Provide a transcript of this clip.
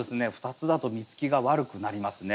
２つだと実つきが悪くなりますね。